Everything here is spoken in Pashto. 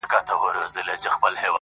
ما یې له منبره د بلال ږغ اورېدلی دی٫